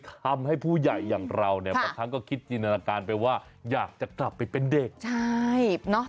ทำให้ผู้ใหญ่อย่างเราภรรยากจะกลับไปเป็นเด็ก